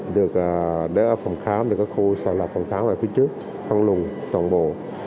được đưa ở phòng khám thì có khu sang lọc phòng khám ở phía trước phân luồn toàn bộ